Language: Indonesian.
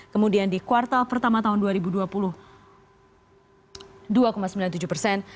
kemudian di kuartal pertama tahun dua ribu dua puluh dua sembilan puluh tujuh persen